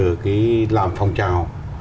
cái làm phong trào